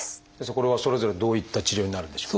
これはそれぞれどういった治療になるんでしょうか？